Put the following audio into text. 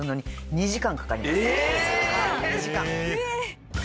２時間。